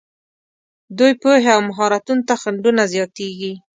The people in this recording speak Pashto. دوی پوهې او مهارتونو ته خنډونه زیاتېږي.